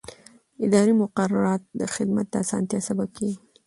اداري مقررات د خدمت د اسانتیا سبب کېږي.